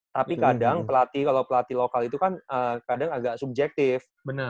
tapi kadang pelatih kalau pelatih lokal itu kan kadang agak subjektif